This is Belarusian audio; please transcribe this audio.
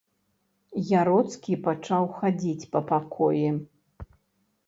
Яроцкі пачаў хадзіць па пакоі.